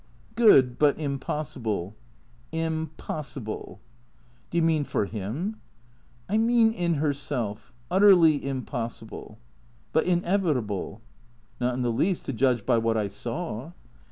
*' Good, but impossible." " Im possible." " Do you mean — for Him ?"" I mean in herself. Utterly impossible." "But inevitable?" " Not in the least, to judge by what I saw."